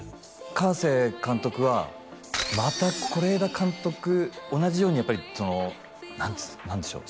河監督はまた是枝監督同じようにやっぱりその何でしょう